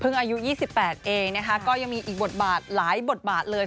อายุ๒๘เองนะคะก็ยังมีอีกบทบาทหลายบทบาทเลย